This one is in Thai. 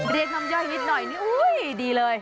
เรียกน้ำย่อยนิดหน่อยนี่อุ้ยดีเลย